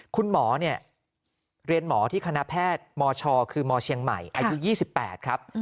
คุณหมอเนี่ยเรียนหมอที่คณะแพทย์มชคือมเชียงใหม่อายุ๒๘ครับ